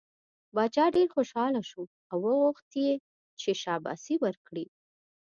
باچا ډېر خوشحاله شو او وغوښت یې چې شاباسی ورکړي.